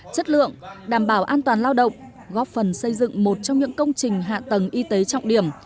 chất lượng đảm bảo an toàn lao động góp phần xây dựng một trong những công trình hạ tầng y tế trọng điểm